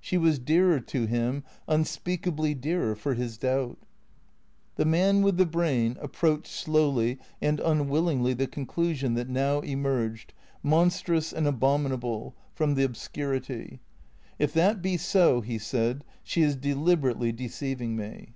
She was dearer to him — unspeakably dearer, for his doubt. The man with the brain approached slowly and unwillingly the conclusion that now emerged, monstrous and abominable. THECREATOES 491 from the obscurity. If that be so, he said, she is deliberately de ceiving me.